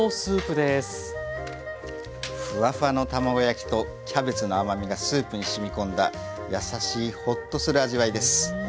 ふわふわの卵焼きとキャベツの甘みがスープにしみこんだやさしいホッとする味わいです。